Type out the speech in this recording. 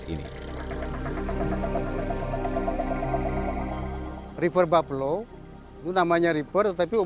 pemilik daerah ini berkata bahwa mereka berada di dalam daerah yang terkenal dengan kromosom